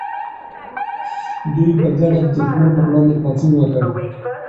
دوی په ګډه د دښمن پر وړاندې پاڅون وکړ.